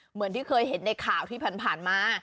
เหมือนที่เคยเห็นในข่าวที่ผ่านมา